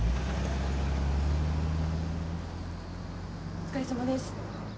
お疲れさまです。